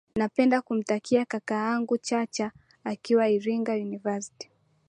napenda kumtakia kakangu chacha akiwa iringa university